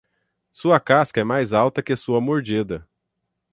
Sua casca é mais alta que sua mordida.